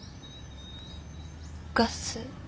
ガス？